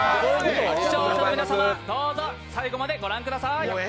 視聴者の皆様、どうぞ最後まで御覧ください。